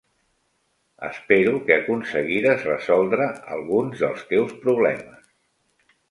Espero que aconseguires resoldre alguns dels teus problemes.